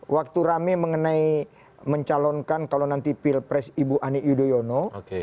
waktu rame mengenai mencalonkan kalau nanti pilpres ibu ani yudhoyono